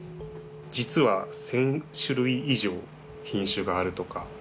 実は１０００種類以上品種があるとか。